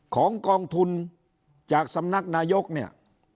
ของกองทุนจากสำนักนายกเนี่ย